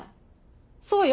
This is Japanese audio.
そうよ。